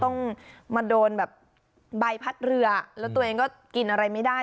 ต้องมาโดนแบบใบพัดเรือแล้วตัวเองก็กินอะไรไม่ได้